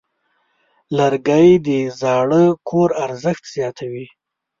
لرګی د زاړه کور ارزښت زیاتوي.